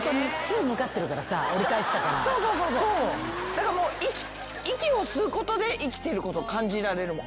だから息を吸うことで生きてることを感じられるもん。